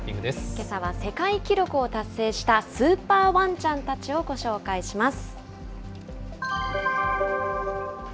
けさは世界記録を達成したスーパーワンちゃんたちをご紹介します。